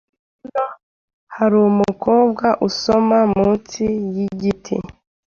Hano harumukobwa usoma munsi yigiti.